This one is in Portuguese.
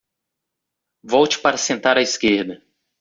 Volte para sentar à esquerda